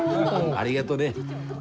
ありがどね。